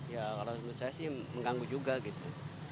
ya kalau menurut saya sih mengganggu juga gitu